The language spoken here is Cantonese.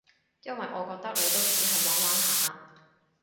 因為我覺得你都只係玩玩下